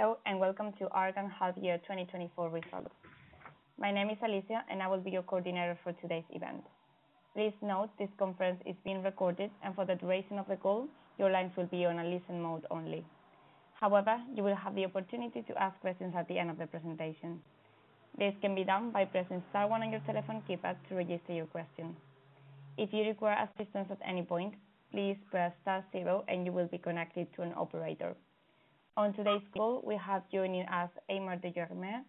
Hello, and welcome to ARGAN Half Year 2024 results. My name is Alicia, and I will be your coordinator for today's event. Please note, this conference is being recorded, and for the duration of the call, your lines will be on a listen mode only. However, you will have the opportunity to ask questions at the end of the presentation. This can be done by pressing star one on your telephone keypad to register your question. If you require assistance at any point, please press star zero and you will be connected to an operator. On today's call, we have joining us, Aymar de Germay,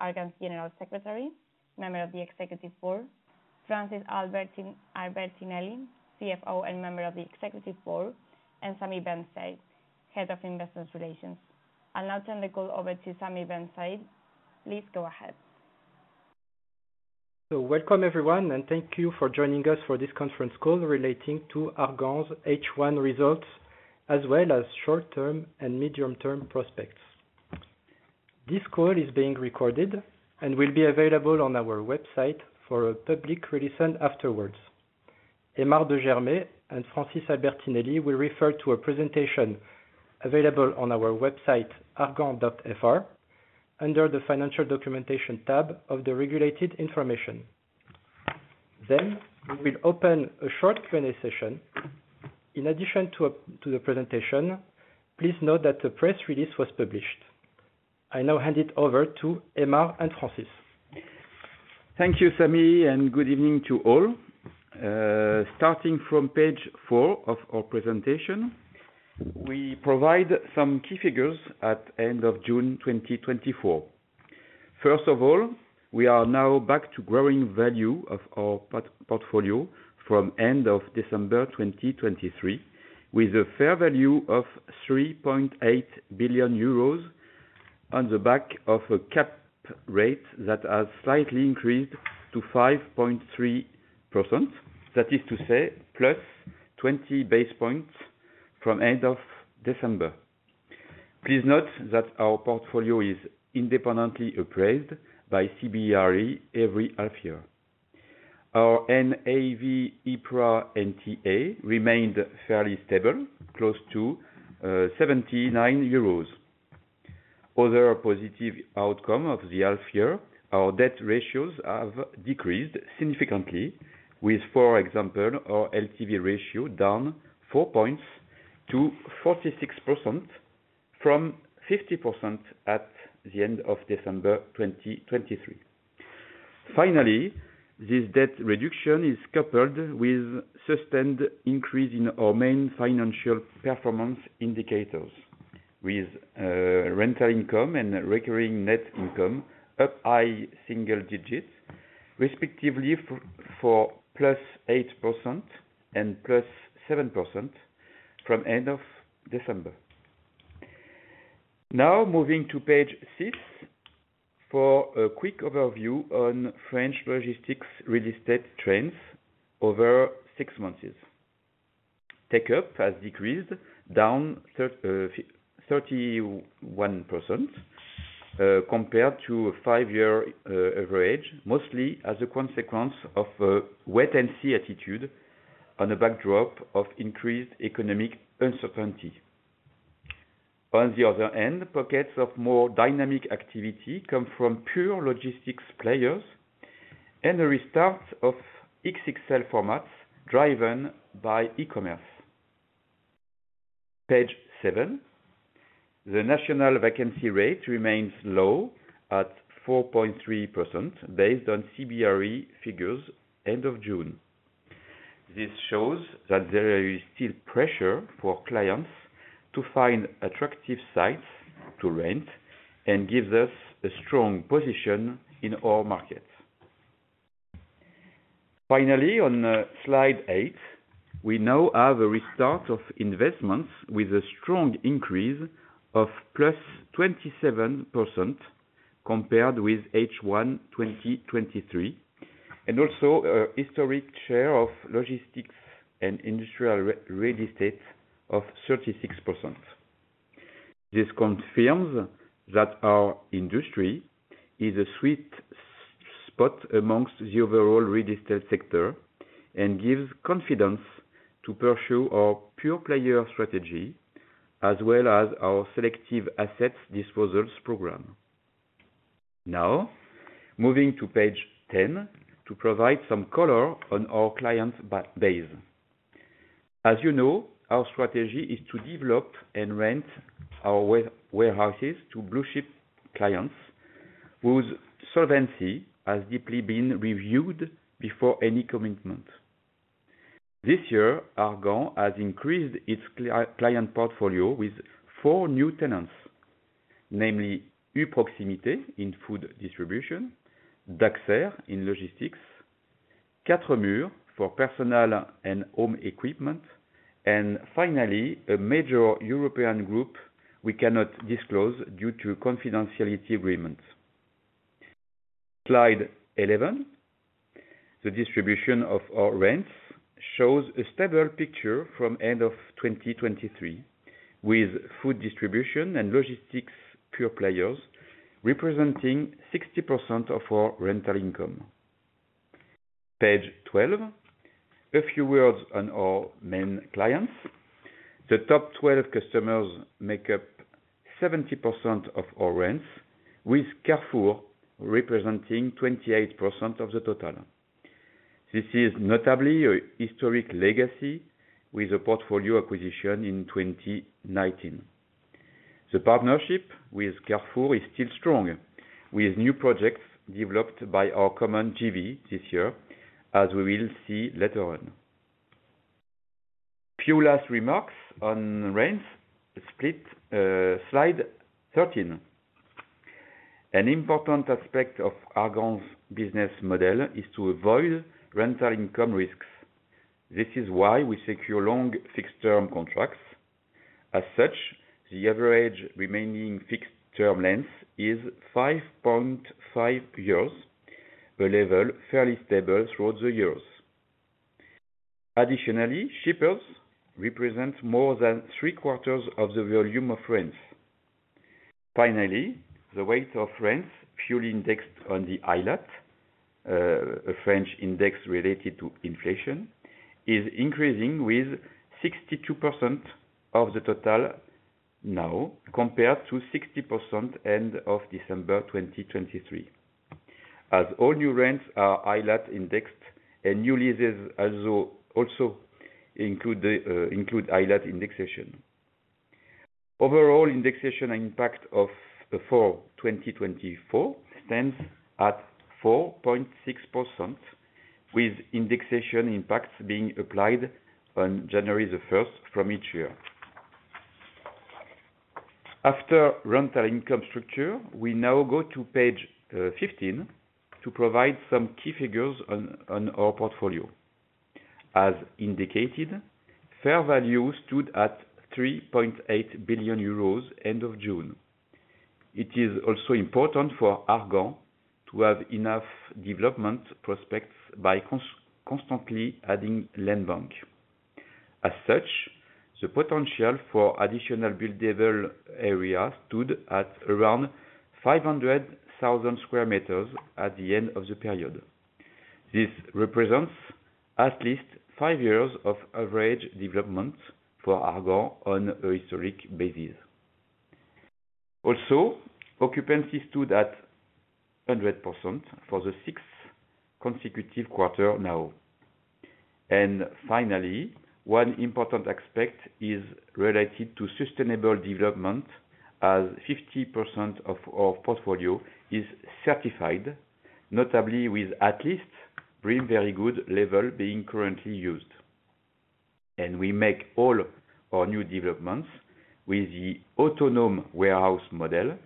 ARGAN's General Secretary, member of the Executive Board. Francis Albertinelli, CFO and member of the Executive Board, and Samy Bensaïd, Head of Investor Relations. I'll now turn the call over to Samy Bensaïd. Please go ahead. So welcome, everyone, and thank you for joining us for this conference call relating to ARGAN's H1 results, as well as short-term and medium-term prospects. This call is being recorded and will be available on our website for a public release afterwards. Aymar de Germay and Francis Albertinelli will refer to a presentation available on our website, argan.fr, under the Financial Documentation tab of the Regulated Information. Then, we will open a short Q&A session. In addition to the presentation, please note that the press release was published. I now hand it over to Aymar and Francis. Thank you, Samy, and good evening to all. Starting from page four of our presentation, we provide some key figures at end of June 2024. First of all, we are now back to growing value of our port- portfolio from end of December 2023, with a fair value of 3.8 billion euros on the back of a cap rate that has slightly increased to 5.3%. That is to say, plus 20 basis points from end of December. Please note that our portfolio is independently appraised by CBRE every half year. Our NAV EPRA NTA remained fairly stable, close to 79 euros. Other positive outcome of the half year, our debt ratios have decreased significantly with, for example, our LTV ratio down four points to 46% from 50% at the end of December 2023. Finally, this debt reduction is coupled with sustained increase in our main financial performance indicators with, rental income and recurring net income up high single digits, respectively, for +8% and +7% from end of December. Now, moving to page six for a quick overview on French logistics real estate trends over six months. Take-up has decreased down 31%, compared to a 5-year average, mostly as a consequence of, wait-and-see attitude on a backdrop of increased economic uncertainty. On the other hand, pockets of more dynamic activity come from pure logistics players and the restart of XXL formats, driven by e-commerce. Page seven, the national vacancy rate remains low at 4.3%, based on CBRE figures end of June. This shows that there is still pressure for clients to find attractive sites to rent and gives us a strong position in our market. Finally, on slide eight, we now have a restart of investments with a strong increase of plus 27% compared with H1 2023, and also a historic share of logistics and industrial real estate of 36%. This confirms that our industry is a sweet spot amongst the overall real estate sector and gives confidence to pursue our pure-player strategy, as well as our selective assets disposals program. Now, moving to page 10, to provide some color on our client base. As you know, our strategy is to develop and rent our warehouses to blue-chip clients, whose solvency has deeply been reviewed before any commitment. This year, ARGAN has increased its client portfolio with 4 new tenants, namely U Proximité in food distribution, DACHSER in logistics, 4MURS for personal and home equipment, and finally, a major European group we cannot disclose due to confidentiality agreements. Slide 11, the distribution of our rents shows a stable picture from end of 2023, with food distribution and logistics pure players representing 60% of our rental income. Page 12, a few words on our main clients. The top 12 customers make up 70% of our rents, with Carrefour representing 28% of the total. This is notably a historic legacy with a portfolio acquisition in 2019. The partnership with Carrefour is still strong, with new projects developed by our common JV this year, as we will see later on. Few last remarks on rents split, slide 13. An important aspect of ARGAN's business model is to avoid rental income risks. This is why we secure long, fixed-term contracts. As such, the average remaining fixed term length is 5.5 years, a level fairly stable throughout the years. Additionally, shippers represent more than three quarters of the volume of rents. Finally, the weight of rents purely indexed on the ILAT, a French index related to inflation, is increasing with 62% of the total now compared to 60% end of December 2023, as all new rents are ILAT indexed and new leases also include ILAT indexation. Overall, indexation impact of the full 2024 stands at 4.6%, with indexation impacts being applied on January the first of each year. After rental income structure, we now go to page 15 to provide some key figures on our portfolio. As indicated, fair value stood at 3.8 billion euros end of June. It is also important for ARGAN to have enough development prospects by constantly adding land bank. As such, the potential for additional buildable area stood at around 500,000 square meters at the end of the period. This represents at least five years of average development for ARGAN on a historic basis. Also, occupancy stood at 100% for the sixth consecutive quarter now. Finally, one important aspect is related to sustainable development, as 50% of our portfolio is certified, notably with at least BREEAM Very Good level being currently used. We make all our new developments with the autonomous warehouse model,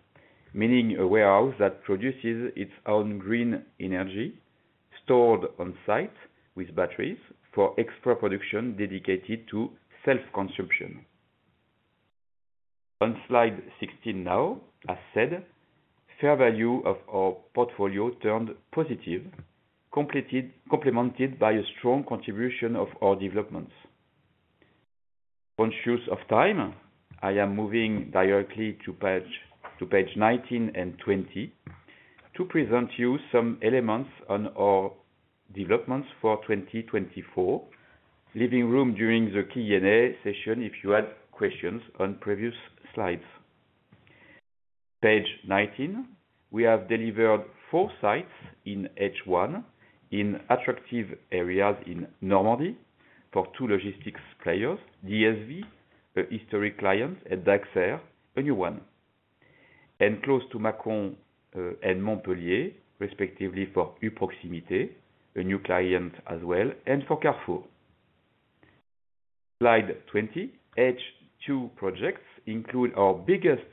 meaning a warehouse that produces its own green energy, stored on site with batteries, for extra production dedicated to self-consumption. On Slide 16 now, as said, fair value of our portfolio turned positive, complemented by a strong contribution of our developments. Conscious of time, I am moving directly to page 19 and 20, to present you some elements on our developments for 2024. Leaving room during the Q&A session if you had questions on previous slides. Page 19, we have delivered four sites in H1, in attractive areas in Normandy for two logistics players, DSV, a historic client, and DACHSER, a new one. Close to Mâcon and Montpellier, respectively, for U Proximité, a new client as well, and for Carrefour. Slide 20, H2 projects include our biggest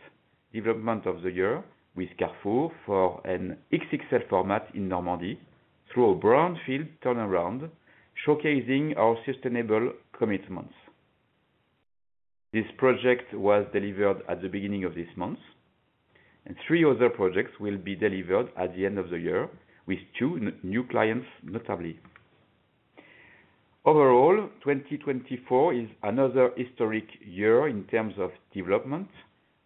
development of the year with Carrefour for an XXL format in Normandy, through a brownfield turnaround, showcasing our sustainable commitments. This project was delivered at the beginning of this month, and three other projects will be delivered at the end of the year, with two new clients, notably. Overall, 2024 is another historic year in terms of development,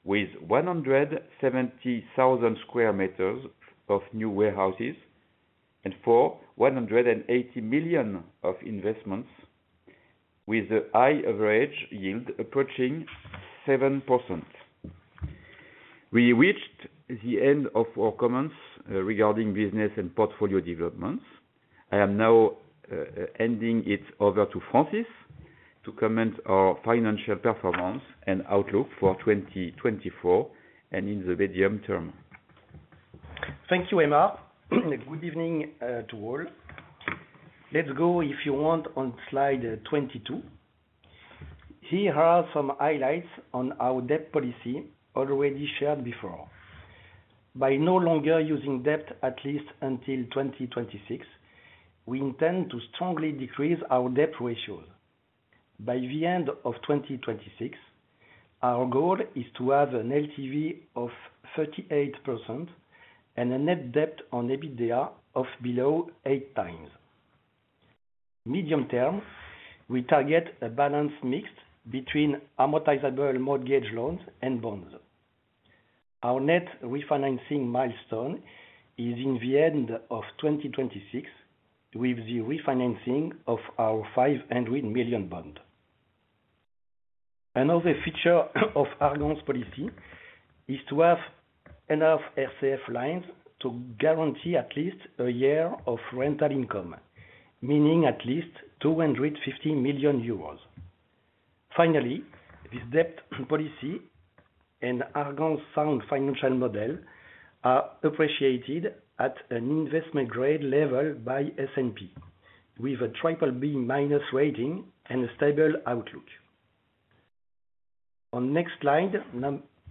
with 170,000 square meters of new warehouses and 180 million of investments with a high average yield approaching 7%. We reached the end of our comments regarding business and portfolio developments. I am now handing it over to Francis to comment our financial performance and outlook for 2024 and in the medium term. Thank you, Aymar. Good evening, to all. Let's go, if you want, on slide 22. Here are some highlights on our debt policy already shared before. By no longer using debt, at least until 2026, we intend to strongly decrease our debt ratios. By the end of 2026, our goal is to have an LTV of 38% and a net debt on EBITDA of below 8x. Medium term, we target a balance mixed between amortizable mortgage loans and bonds. Our net refinancing milestone is in the end of 2026, with the refinancing of our 500 million bond. Another feature of ARGAN's policy is to have enough RCF lines to guarantee at least a year of rental income, meaning at least 250 million euros. Finally, this debt policy and ARGAN's sound financial model are appreciated at an investment grade level by S&P, with a triple B minus rating and a stable outlook. On next slide,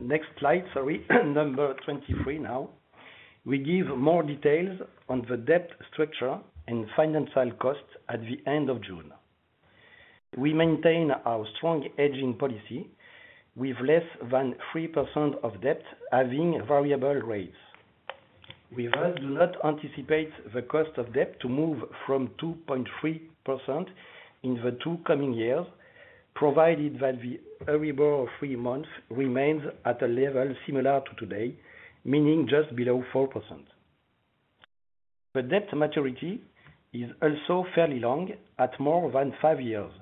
next slide, sorry, number 23 now. We give more details on the debt structure and financial costs at the end of June. We maintain our strong hedging policy with less than 3% of debt having variable rates. We will not anticipate the cost of debt to move from 2.3% in the two coming years, provided that the EURIBOR three-month remains at a level similar to today, meaning just below 4%. The debt maturity is also fairly long, at more than 5 years.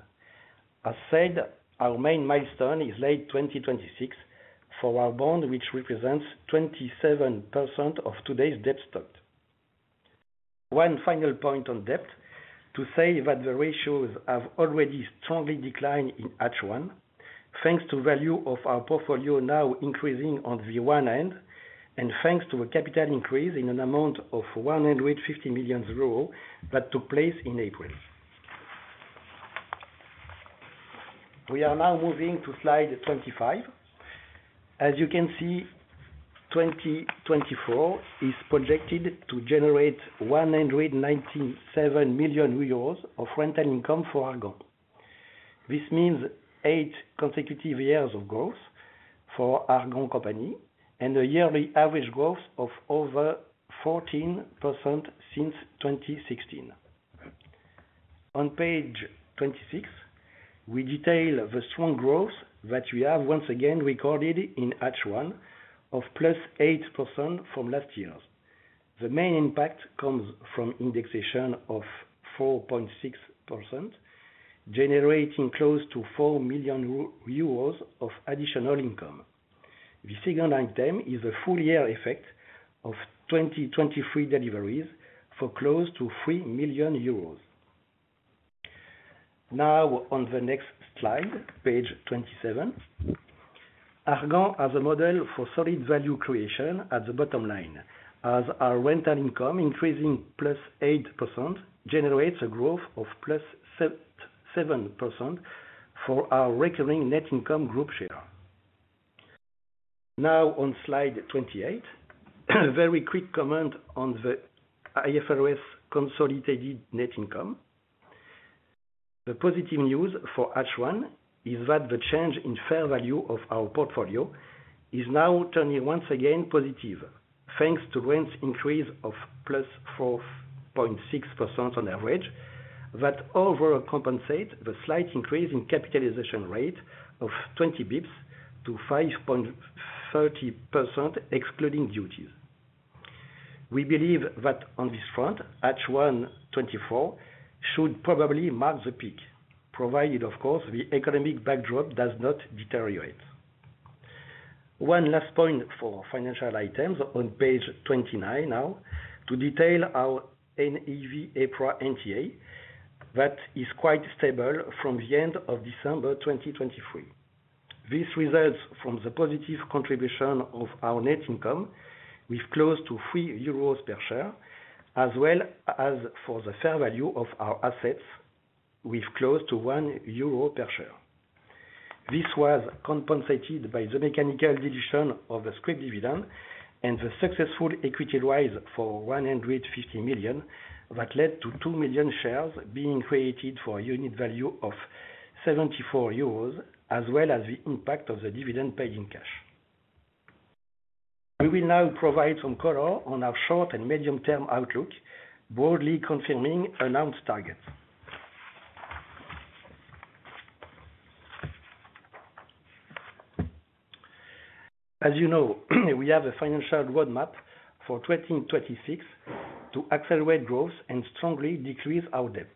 As said, our main milestone is late 2026 for our bond, which represents 27% of today's debt stock. One final point on debt, to say that the ratios have already strongly declined in H1, thanks to value of our portfolio now increasing on the one end, and thanks to a capital increase in an amount of 150 million euros, that took place in April. We are now moving to slide 25. As you can see, 2024 is projected to generate 197 million euros of rental income for ARGAN. This means 8 consecutive years of growth for ARGAN company, and a yearly average growth of over 14% since 2016. On page 26, we detail the strong growth that we have once again recorded in H1 of +8% from last year's. The main impact comes from indexation of 4.6%, generating close to 4 million euros of additional income. The second item is a full year effect of 2023 deliveries for close to 3 million euros. Now, on the next slide, page 27. ARGAN has a model for solid value creation at the bottom line, as our rental income increasing +8%, generates a growth of +7% for our recurring net income group share. Now, on slide 28, a very quick comment on the IFRS consolidated net income. The positive news for H1 is that the change in fair value of our portfolio is now turning once again positive, thanks to rents increase of +4.6% on average. That overall compensate the slight increase in capitalization rate of 20 basis points to 5.30%, excluding duties. We believe that on this front, H1 2024 should probably mark the peak, provided, of course, the economic backdrop does not deteriorate. One last point for financial items on page 29 now, to detail our EPRA NTA, that is quite stable from the end of December 2023. This results from the positive contribution of our net income, with close to 3 euros per share, as well as for the fair value of our assets, with close to 1 euro per share. This was compensated by the mechanical dilution of the scrip dividend and the successful equity rise for 150 million, that led to 2 million shares being created for a unit value of 74 euros, as well as the impact of the dividend paid in cash. We will now provide some color on our short and medium-term outlook, broadly confirming announced targets. As you know, we have a financial roadmap for 2026 to accelerate growth and strongly decrease our debt.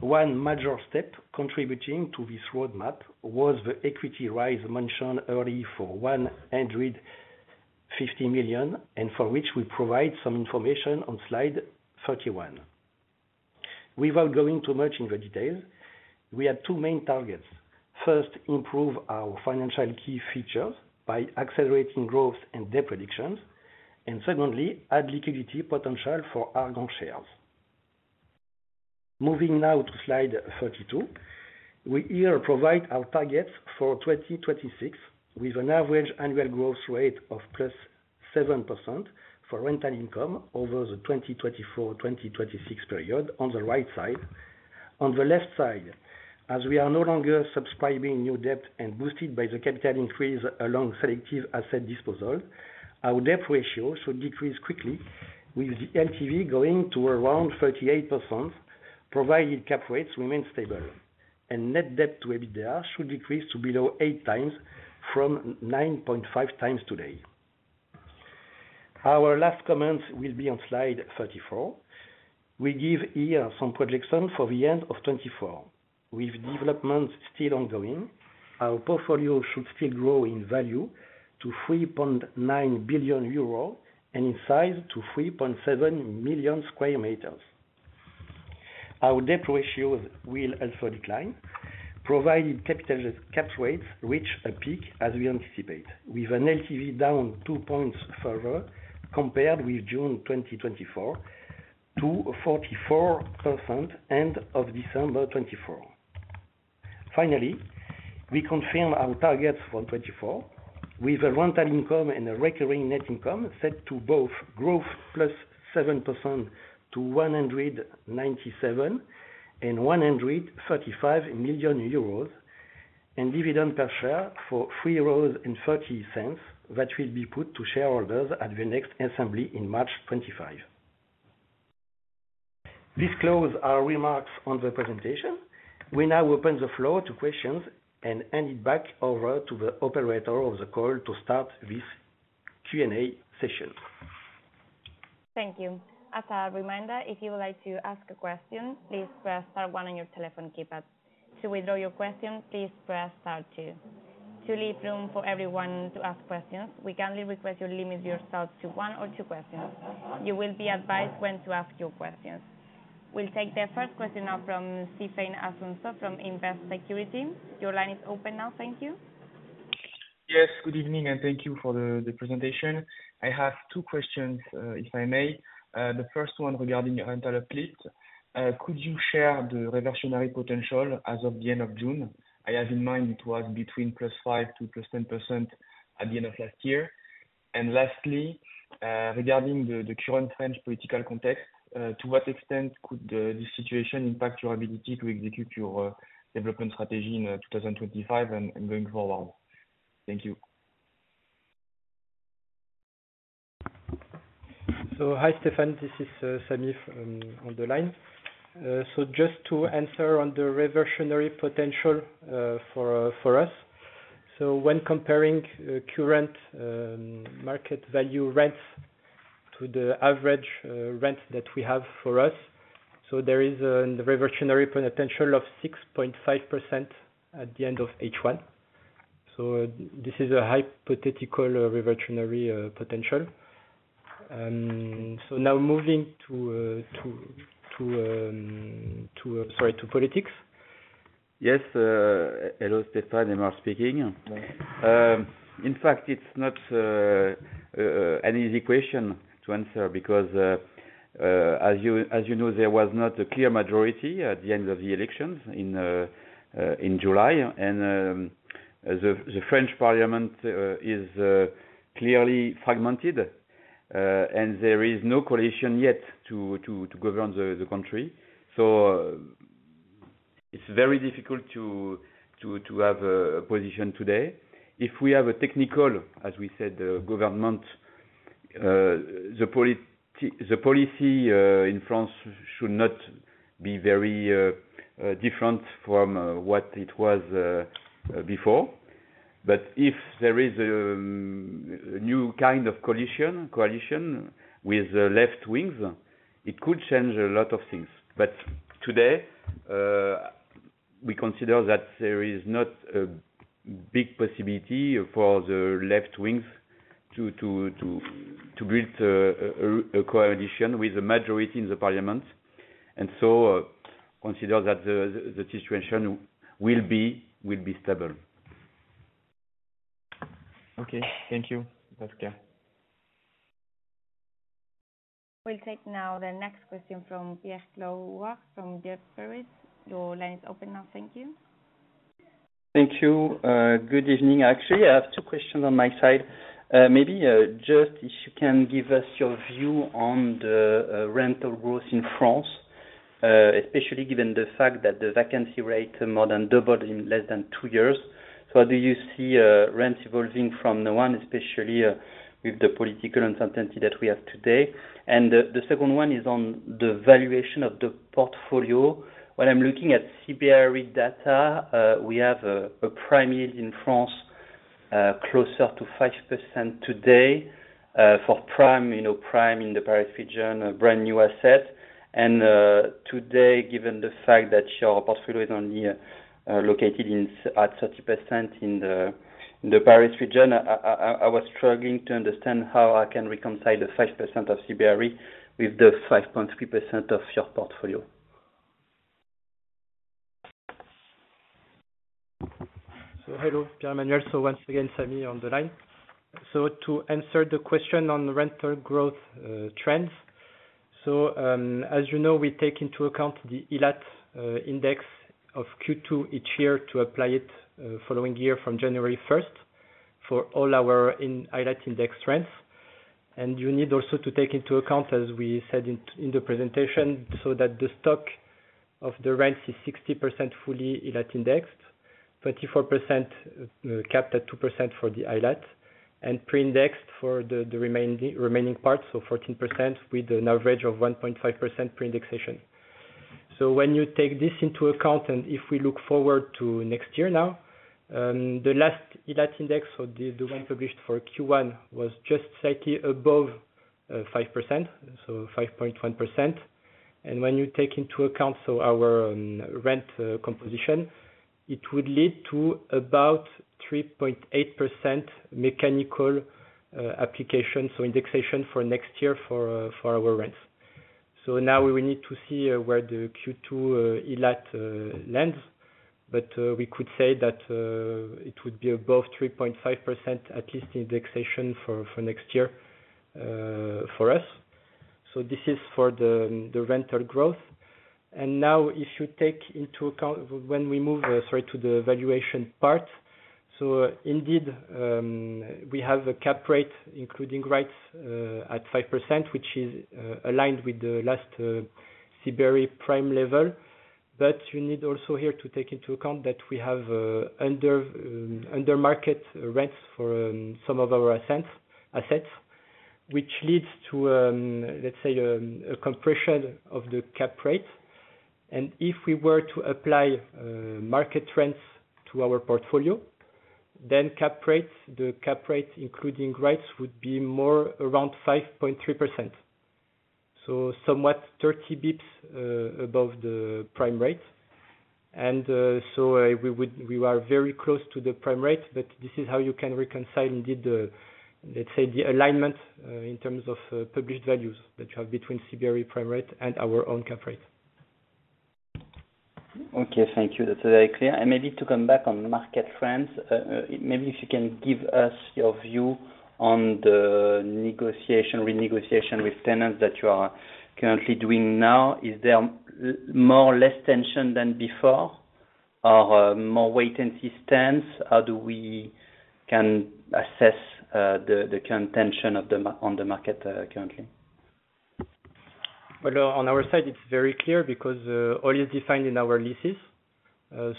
One major step contributing to this roadmap was the equity raise mentioned early for 150 million, and for which we provide some information on slide 31. Without going too much into the details, we have two main targets. First, improve our financial key figures by accelerating growth and debt reductions, and secondly, add liquidity potential for ARGAN shares. Moving now to slide 32. We here provide our targets for 2026, with an average annual growth rate of +7% for rental income over the 2024-2026 period on the right side. On the left side, as we are no longer subscribing new debt and boosted by the capital increase along selective asset disposal, our debt ratio should decrease quickly, with the LTV going to around 38%, provided cap rates remain stable.... net debt to EBITDA should decrease to below 8 times from 9.5 times today. Our last comments will be on slide 34. We give here some projection for the end of 2024. With development still ongoing, our portfolio should still grow in value to 3.9 billion euros and in size to 3.7 million sq m. Our debt ratios will also decline, provided cap rates reach a peak as we anticipate, with an LTV down two points further, compared with June 2024 to 44% end of December 2024. Finally, we confirm our targets for 2024, with a rental income and a recurring net income set to both growth +7% to 197 million and 135 million euros, and dividend per share for 3.30 euros that will be put to shareholders at the next assembly in March 2025. This closes our remarks on the presentation. We now open the floor to questions and hand it back over to the operator of the call to start this Q&A session. Thank you. As a reminder, if you would like to ask a question, please press star one on your telephone keypad. To withdraw your question, please press star two. To leave room for everyone to ask questions, we kindly request you limit yourself to one or two questions. You will be advised when to ask your questions. We'll take the first question now from Stéphane Aouat from Invest Securities. Your line is open now. Thank you. Yes, good evening, and thank you for the presentation. I have two questions, if I may. The first one regarding your rental uplift. Could you share the reversionary potential as of the end of June? I have in mind it was between +5% to +10% at the end of last year. And lastly, regarding the current French political context, to what extent could this situation impact your ability to execute your development strategy in 2025 and going forward? Thank you. So hi, Stéphane. This is Samy on the line. So just to answer on the reversionary potential for us. So when comparing current market value rents to the average rent that we have for us, so there is a reversionary potential of 6.5% at the end of H1. So this is a hypothetical reversionary potential. So now moving to, sorry, to politics? Yes, hello, Stéphane, Aymar speaking. In fact, it's not an easy question to answer because, as you know, there was not a clear majority at the end of the elections in July. And, the French parliament is clearly fragmented, and there is no coalition yet to govern the country. So it's very difficult to have a position today. If we have a technical, as we said, government, the policy in France should not be very different from what it was before. But if there is a new kind of coalition with the left wings, it could change a lot of things. But today, we consider that there is not a big possibility for the left wings to build a coalition with a majority in the parliament, and so, consider that the situation will be stable. Okay. Thank you. Thanks again. We'll take now the next question from Pierre-Emmanuel Clouard from Jefferies. Your line is open now. Thank you. Thank you. Good evening. Actually, I have two questions on my side. Maybe just if you can give us your view on the rental growth in France, especially given the fact that the vacancy rate more than doubled in less than two years. So do you see rents evolving from now on, especially with the political uncertainty that we have today? And the, the second one is on the valuation of the portfolio. When I'm looking at CBRE data, we have a prime yield in France closer to 5% today for prime, you know, prime in the Paris region, a brand-new asset. Today, given the fact that your portfolio is only located at 30% in the Paris region, I was struggling to understand how I can reconcile the 5% of CBRE with the 5.3% of your portfolio. Hello, Pierre-Emmanuel. Once again, Samy on the line. To answer the question on the rental growth trends, as you know, we take into account the ILAT index of Q2 each year to apply it following year from January first for all our ILAT index rents. And you need also to take into account, as we said in the presentation, so that the stock of the rents is 60% fully ILAT indexed. 24%, capped at 2% for the ILAT, and pre-indexed for the remaining parts, 14% with an average of 1.5% pre-indexation. So when you take this into account, and if we look forward to next year now, the last ILAT index, so the one published for Q1, was just slightly above five percent, so 5.1%. And when you take into account, so our rent composition, it would lead to about 3.8% mechanical application, so indexation for next year for our rents. So now we will need to see where the Q2 ILAT lands, but we could say that it would be above 3.5%, at least indexation for next year for us. So this is for the rental growth. And now, if you take into account when we move, sorry, to the valuation part, so indeed, we have a cap rate, including rates, at 5%, which is aligned with the last CBRE prime level. But you need also here to take into account that we have under market rents for some of our assets. Which leads to, let's say, a compression of the cap rate. And if we were to apply market trends to our portfolio, then cap rates, the cap rates, including rates, would be more around 5.3%. So somewhat 30 basis points above the prime rate. We are very close to the prime rate, but this is how you can reconcile indeed the alignment, let's say, in terms of published values that you have between CBRE prime rate and our own cap rate. Okay, thank you. That's very clear. And maybe to come back on market trends, maybe if you can give us your view on the negotiation, renegotiation with tenants that you are currently doing now. Is there more or less tension than before, or more wait and see stance? How do we can assess the current tension on the market currently? Well, on our side, it's very clear because all is defined in our leases.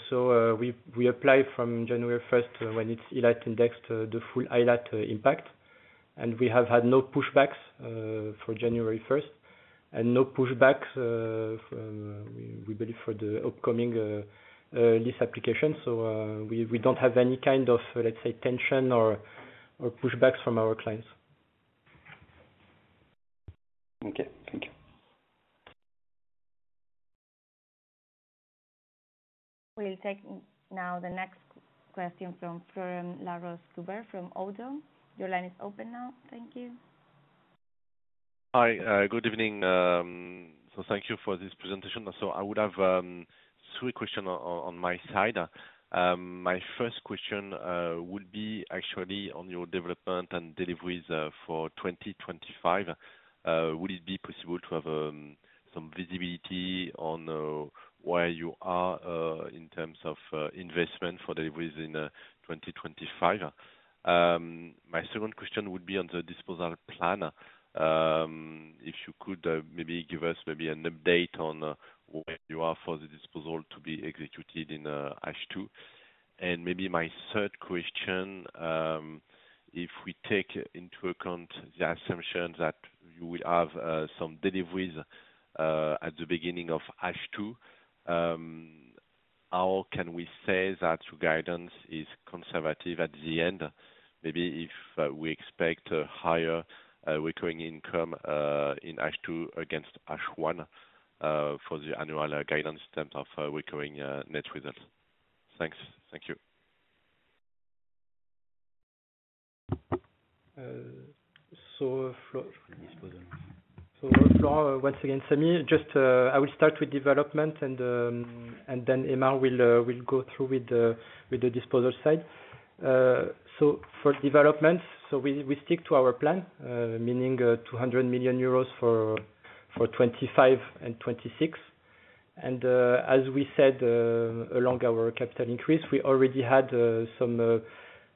So, we apply from January first, when it's ILAT indexed, the full ILAT impact, and we have had no pushbacks for January first, and no pushbacks, we believe, for the upcoming lease application. So, we don't have any kind of, let's say, tension or pushbacks from our clients. Okay. Thank you. We'll take now the next question from Florent Laroche-Joubert from ODDO BHF. Your line is open now. Thank you. Hi, good evening. Thank you for this presentation. I would have three questions on my side. My first question would be actually on your development and deliveries for 2025. Would it be possible to have some visibility on where you are in terms of investment for deliveries in 2025? My second question would be on the disposal plan. If you could maybe give us an update on where you are for the disposal to be executed in H2? And my third question, if we take into account the assumption that you will have some deliveries at the beginning of H2, how can we say that your guidance is conservative at the end? Maybe if we expect a higher recurring income in H2 against H1 for the annual guidance in terms of recurring net results. Thanks. Thank you. Florent- Disposal. So, Florent, once again, Samy. Just, I will start with development and, and then Aymar will, will go through with the, with the disposal side. So for development, so we, we stick to our plan, meaning, two hundred million euros for, for 2025 and 2026. And, as we said, along our capital increase, we already had, some,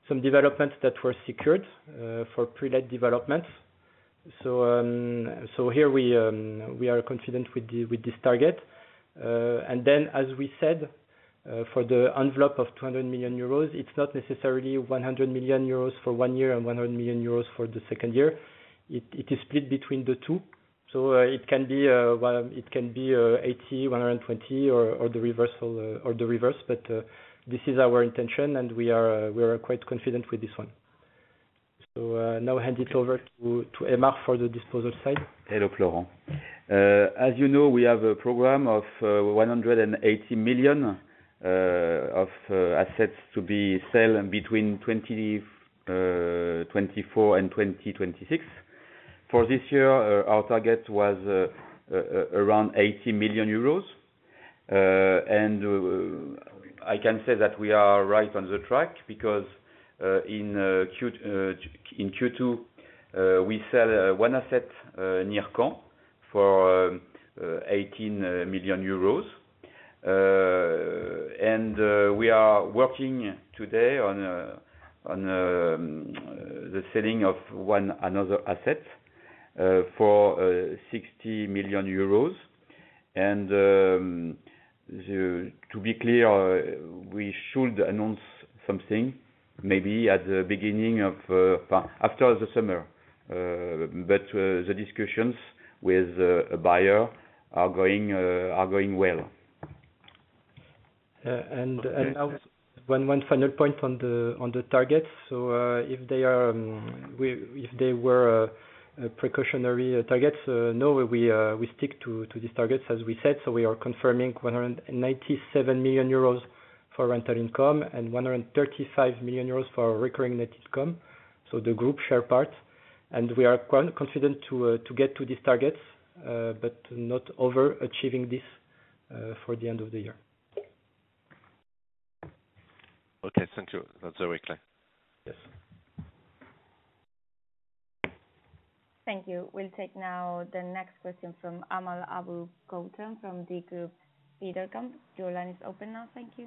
some developments that were secured, for pre-let developments. So, so here we, we are confident with the- with this target. And then as we said, for the envelope of two hundred million euros, it's not necessarily one hundred million euros for one year and one hundred million euros for the second year. It, it is split between the two. So, well, it can be 80, 120 or the reversion or the reverse. But, this is our intention, and we are quite confident with this one. So, now hand it over to Aymar for the disposal side. Hello, Florent. As you know, we have a program of 180 million of assets to be sell between 2024 and 2026. For this year, our target was around 80 million euros. And I can say that we are right on the track, because in Q2 we sell one asset near Cannes for 18 million euros. And we are working today on the selling of one another asset for EUR 60 million. And, to be clear, we should announce something maybe at the beginning of after the summer. But the discussions with a buyer are going well. And now one final point on the target. So, if they were a precautionary target, no, we stick to these targets, as we said. So we are confirming 197 million euros for rental income and 135 million euros for recurring net income, so the group share part. And we are confident to get to these targets, but not over-achieving this for the end of the year. Okay, thank you. That's very clear. Yes. Thank you. We'll take now the next question from Amal Aboulkhouatem from Degroof Petercam. Your line is open now. Thank you.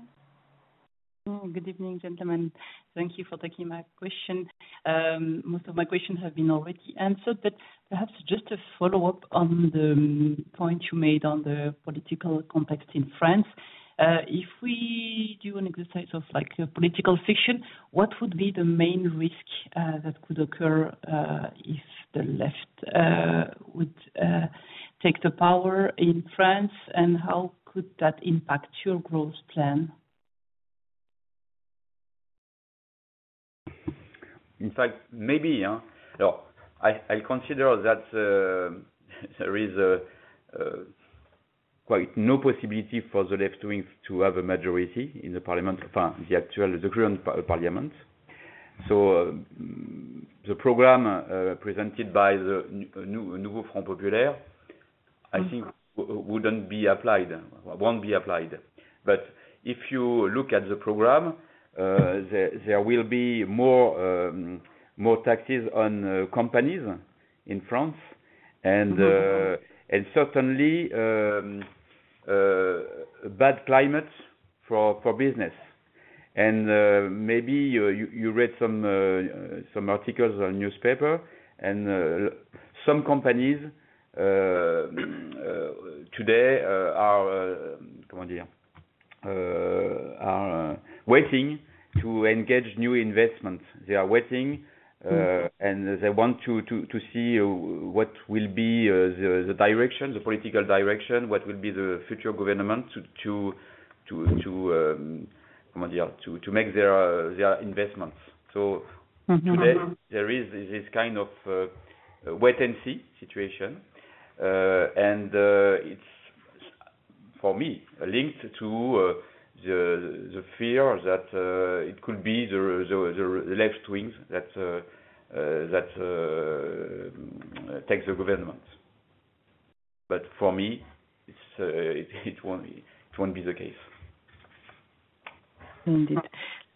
Oh, good evening, gentlemen. Thank you for taking my question. Most of my questions have been already answered, but perhaps just a follow-up on the point you made on the political context in France. If we do an exercise of, like, a political fiction, what would be the main risk that could occur if the left would take the power in France? And how could that impact your growth plan? In fact, maybe no, I consider that there is a quite no possibility for the left wing to have a majority in the parliament, the actual, the current parliament. So, the program presented by the Nouveau Front Populaire, I think wouldn't be applied, won't be applied. But if you look at the program, there will be more more taxes on companies in France. And Mm-hmm. And certainly, bad climate for business. And, maybe you read some articles on newspaper and, some companies today are waiting to engage new investments. They are waiting. Mm-hmm. and they want to see what will be the direction, the political direction, what will be the future government to make their investments. Mm-hmm, mm-hmm. So there is this kind of wait-and-see situation. And it's for me linked to the fear that it could be the left wing that takes the government. But for me, it won't be the case. Indeed.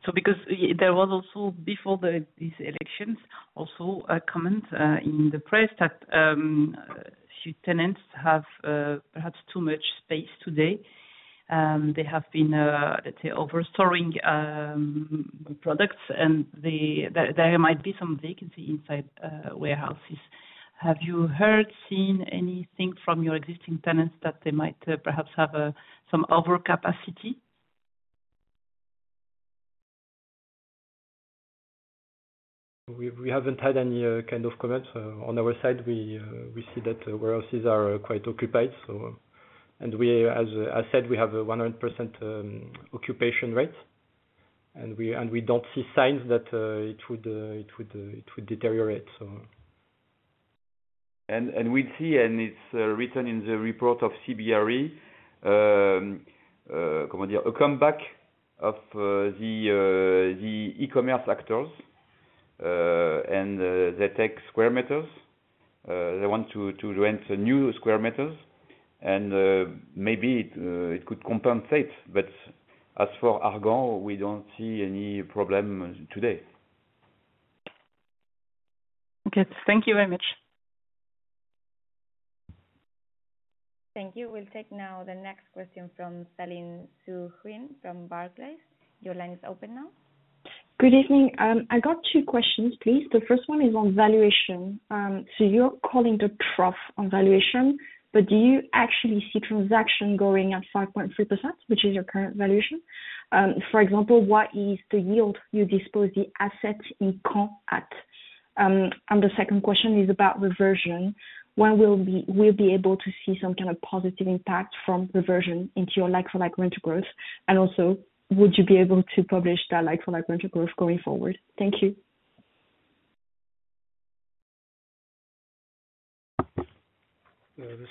So because there was also, before the, these elections, also a comment in the press that few tenants have perhaps too much space today. They have been, let's say, overstoring products, and there might be some vacancy inside warehouses. Have you heard, seen anything from your existing tenants that they might perhaps have some overcapacity? We haven't had any kind of comments. On our side, we see that warehouses are quite occupied, so... And, as I said, we have a 100% occupation rate, and we don't see signs that it would deteriorate, so. And we see, and it's written in the report of CBRE, a comeback of the e-commerce actors, and they take square meters. They want to rent new square meters, and maybe it could compensate. But as for ARGAN, we don't see any problem today. Okay. Thank you very much. Thank you. We'll take now the next question from Céline Soo-Huynh from Barclays. Your line is open now. Good evening. I got two questions, please. The first one is on valuation. So you're calling the trough on valuation, but do you actually see transaction growing at 5.3%, which is your current valuation? For example, what is the yield you dispose the asset in comp at? And the second question is about reversion. When we'll be able to see some kind of positive impact from reversion into your, like, for, like, rental growth? And also, would you be able to publish that, like, for, like, rental growth going forward? Thank you.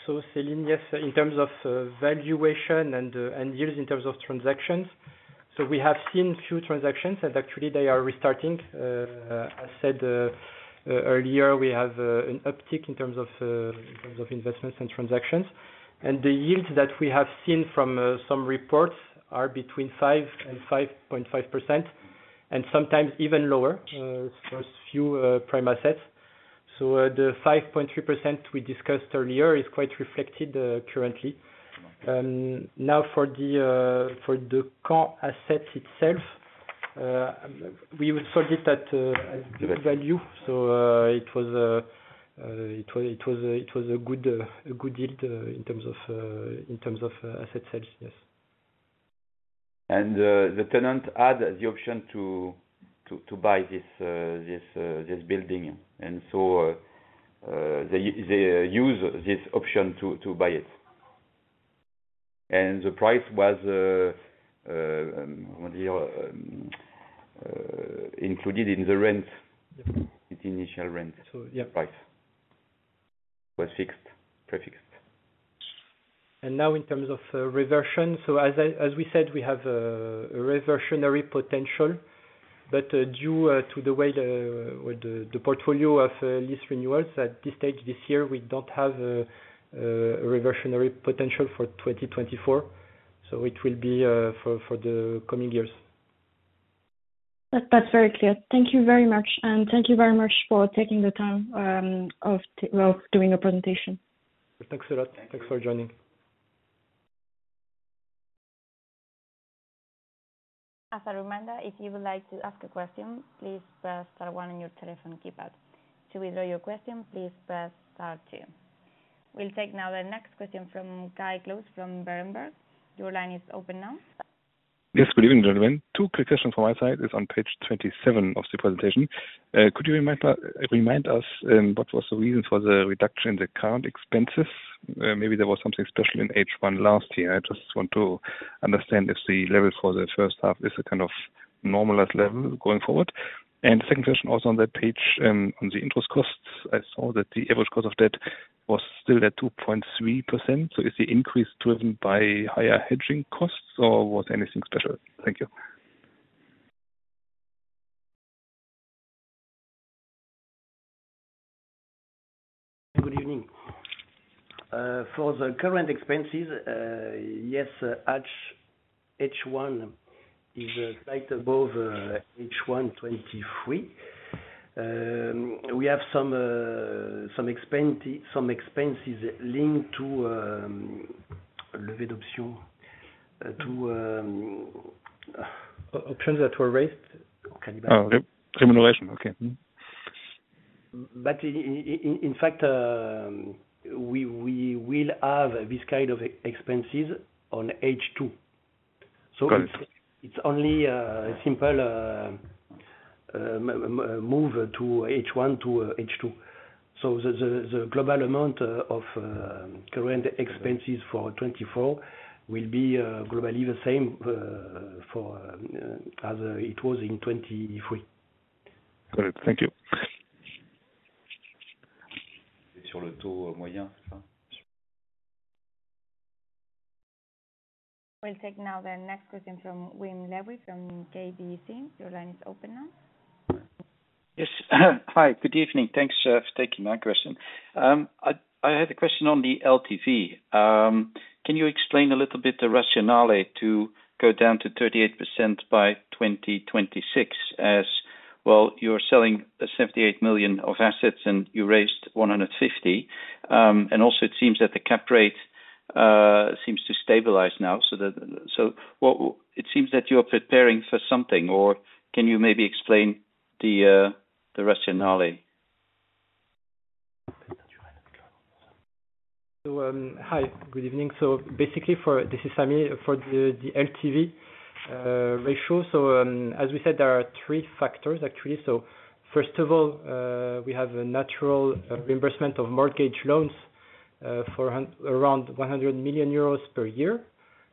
So Céline, yes, in terms of valuation and yields, in terms of transactions, so we have seen few transactions, and actually they are restarting. I said earlier, we have an uptick in terms of investments and transactions. And the yields that we have seen from some reports are between 5 and 5.5%, and sometimes even lower, for few prime assets. So at the 5.3% we discussed earlier, is quite reflected currently. Now, for the current asset itself. We will sold it at value. So, it was a good deal in terms of asset sales, yes. And, the tenant had the option to buy this building. And so, they used this option to buy it. And the price was included in the rent- Yep. the initial rent So, yep Price was fixed, prefixed. Now in terms of reversion, so as we said, we have a reversionary potential, but due to the way, with the portfolio of lease renewals at this stage this year, we don't have reversionary potential for 2024. So it will be for the coming years. That's very clear. Thank you very much. And thank you very much for taking the time, doing a presentation. Thanks a lot. Thanks for joining. As a reminder, if you would like to ask a question, please press star one on your telephone keypad. To withdraw your question, please press star two. We'll take now the next question from Kai Klose from Berenberg. Your line is open now. Yes, good evening, gentlemen. Two quick questions from my side is on page 27 of the presentation. Could you remind us what was the reason for the reduction in the current expenses? Maybe there was something special in H1 last year. I just want to understand if the level for the first half is a kind of normalized level going forward. And the second question also on that page, on the interest costs. I saw that the average cost of debt was still at 2.3%. So is the increase driven by higher hedging costs or was there anything special? Thank you. Good evening. For the current expenses, yes, H1 is slightly above H1 2023. We have some expenses linked to... Options that were raised. Oh, remuneration. Okay, mm-hmm. But in fact, we will have this kind of expenses on H2. Got it. It's only a simple move to H1 to H2. The global amount of current expenses for 2024 will be globally the same as it was in 2023. Got it. Thank you. We'll take now the next question from Wim Lewi, from KBC. Your line is open now. Yes. Hi, good evening. Thanks for taking my question. I had a question on the LTV. Can you explain a little bit the rationale to go down to 38% by 2026, as well, you're selling 78 million of assets and you raised 150 million. And also it seems that the cap rate seems to stabilize now, so what it seems that you're preparing for something, or can you maybe explain the rationale? So, hi, good evening. So basically for... This is Samy. For the LTV ratio, so, as we said, there are three factors, actually. So first of all, we have a natural reimbursement of mortgage loans for around 100 million euros per year.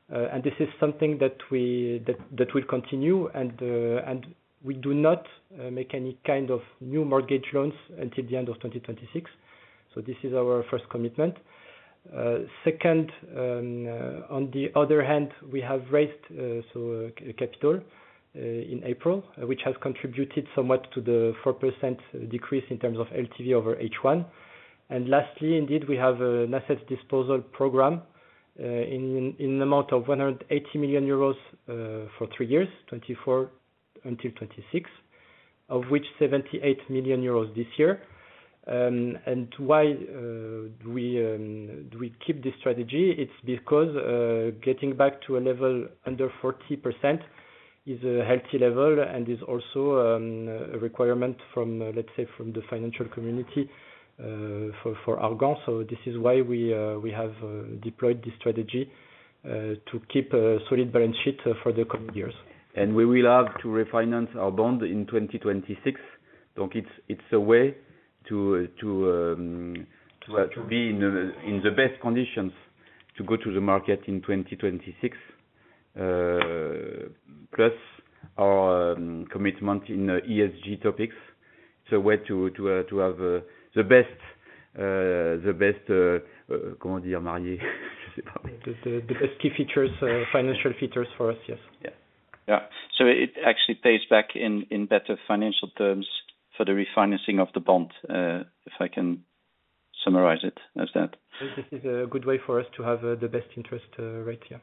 And this is something that that will continue, and we do not make any kind of new mortgage loans until the end of 2026. So this is our first commitment. Second, on the other hand, we have raised so capital in April, which has contributed somewhat to the 4% decrease in terms of LTV over H1. Lastly, indeed, we have an assets disposal program in amount of 180 million euros for three years, 2024 until 2026, of which 78 million euros this year. Why do we keep this strategy? It's because getting back to a level under 40% is a healthy level, and is also a requirement from, let's say, the financial community for ARGAN. So this is why we have deployed this strategy to keep a solid balance sheet for the coming years. We will have to refinance our bond in 2026. So it's a way to be in the best conditions to go to the market in 2026. Plus our commitment in ESG topics. It's a way to have the best. The best key features, financial features for us. Yes. Yeah. Yeah. So it actually pays back in better financial terms for the refinancing of the bond, if I can summarize it as that? This is a good way for us to have the best interest, right, yeah.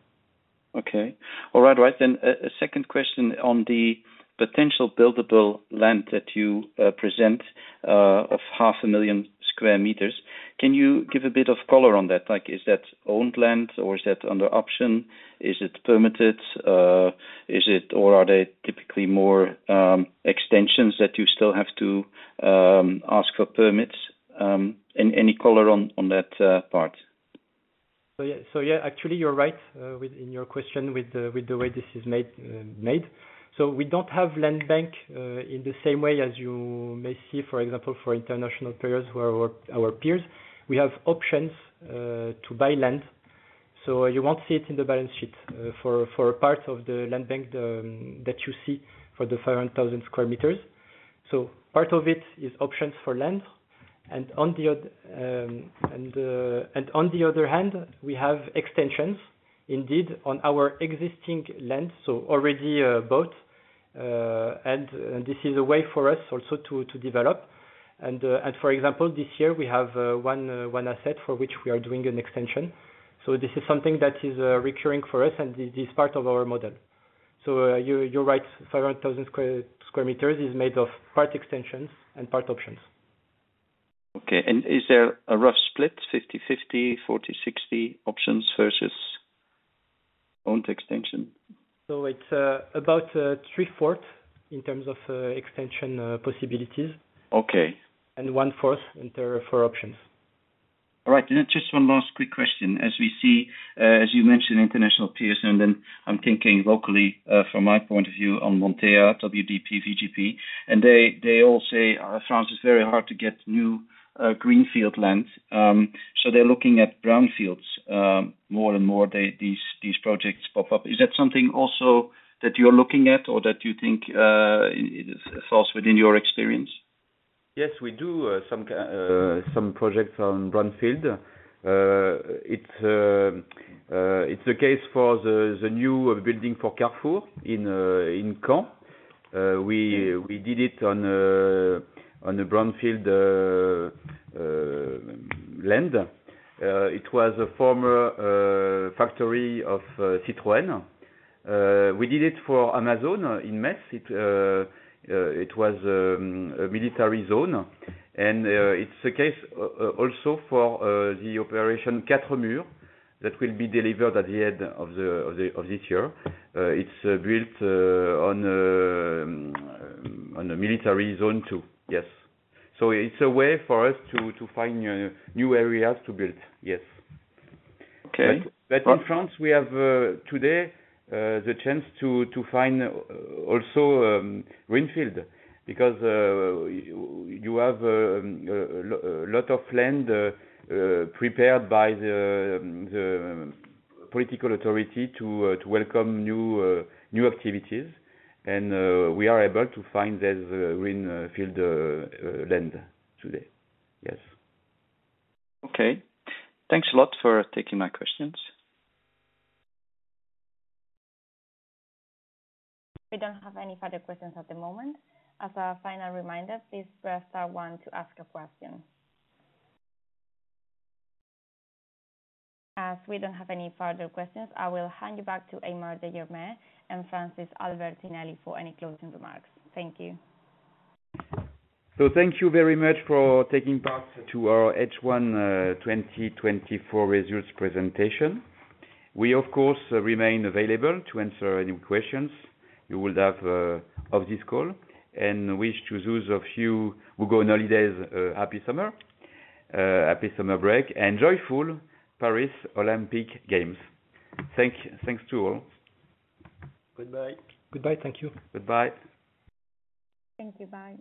Okay. All right, right then, a second question on the potential buildable land that you present?... of 500,000 square meters. Can you give a bit of color on that? Like, is that owned land or is that under option? Is it permitted, is it or are they typically more extensions that you still have to ask for permits? Any color on that part? So yeah, actually you're right, within your question with the way this is made. So we don't have land bank in the same way as you may see, for example, for international players who are our peers. We have options to buy land, so you won't see it in the balance sheet for parts of the land bank that you see for the 500,000 square meters. So part of it is options for land, and on the other hand, we have extensions indeed on our existing land, so already bought. And this is a way for us also to develop. And for example, this year we have one asset for which we are doing an extension. So this is something that is recurring for us, and this is part of our model. So, you're right, 500,000 square meters is made of part extensions and part options. Okay. And is there a rough split, 50/50, 40/60, options versus owned extension? It's about 3/4 in terms of extension possibilities. Okay. And 1/4 enter for options. All right, and then just one last quick question. As we see, as you mentioned, international peers, and then I'm thinking locally, from my point of view on Montea, WDP, VGP, and they all say, France is very hard to get new greenfield land. So they're looking at brownfields, more and more, these projects pop up. Is that something also that you're looking at or that you think falls within your experience? Yes, we do some projects on brownfield. It's the case for the new building for Carrefour in Caen. We did it on a brownfield land. It was a former factory of Citroën. We did it for Amazon in Metz. It was a military zone, and it's the case also for the operation 4MURS that will be delivered at the end of this year. It's built on a military zone, too. Yes. So it's a way for us to find new areas to build. Yes. Okay. In France, we have today the chance to find also greenfield, because you have a lot of land prepared by the political authority to welcome new activities. We are able to find this greenfield land today. Yes. Okay. Thanks a lot for taking my questions. We don't have any further questions at the moment. As a final reminder, please press star one to ask a question. As we don't have any further questions, I will hand you back to Aymar de Germay and Francis Albertinelli for any closing remarks. Thank you. So thank you very much for taking part to our H1 2024 results presentation. We of course remain available to answer any questions you will have of this call, and wish to those of you who go on holidays happy summer, happy summer break, and joyful Paris Olympic Games. Thanks to all. Goodbye. Goodbye. Thank you. Goodbye. Thank you. Bye.